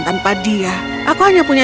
tanpa dia aku hanya punya